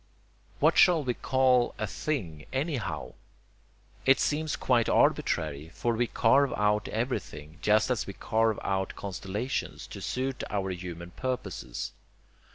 What shall we call a THING anyhow? It seems quite arbitrary, for we carve out everything, just as we carve out constellations, to suit our human purposes.